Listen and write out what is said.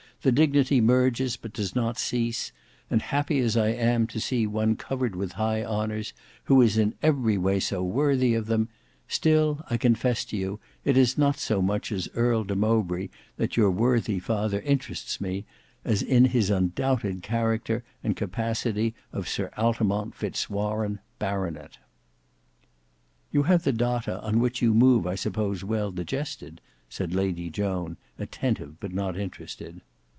The dignity merges, but does not cease; and happy as I am to see one covered with high honours, who is in every way so worthy of them, still I confess to you it is not so much as Earl de Mowbray that your worthy father interests me, as in his undoubted character and capacity of Sir Altamont Fitz Warene, baronet." "You have the data on which you move I suppose well digested," said Lady Joan, attentive but not interested.